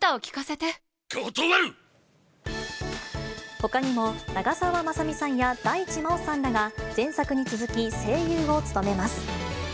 ほかにも、長澤まさみさんや大地真央さんらが、前作に続き、声優を務めます。